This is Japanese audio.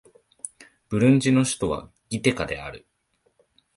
ブルンジの首都はギテガである